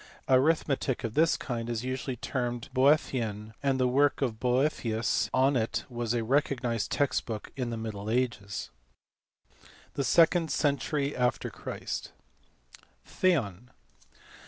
Arithmetic of this kind is usually termed Boethian, and the work of Boethius on it was a recognized text book in the middle ages. The second century after Christ. Theon.